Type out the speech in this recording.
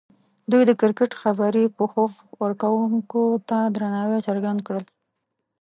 دوی د کرکټ خبري پوښښ ورکوونکو ته درناوی څرګند کړ.